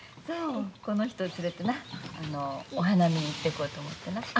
そうこの人を連れてなお花見に行ってこよと思ってな。